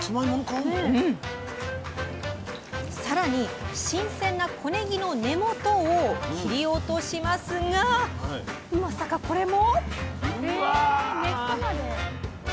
更に新鮮な小ねぎの根元を切り落としますがまさかこれも？